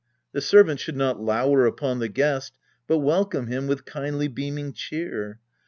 The servant should not lower upon the guest, But welcome him with kindly beaming cheer.